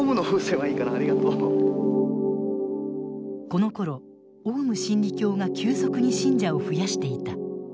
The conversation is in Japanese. このころオウム真理教が急速に信者を増やしていた。